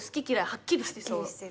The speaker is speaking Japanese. はっきりしてる。